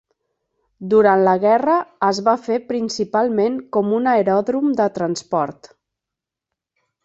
Durant la guerra es va fer principalment com un aeròdrom de transport.